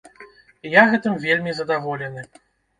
Я гэтым вельмі задаволены.